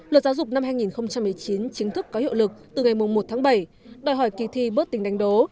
luật giáo dục năm hai nghìn một mươi chín chính thức có hiệu lực từ ngày một tháng bảy đòi hỏi kỳ thi bớt tình đánh đố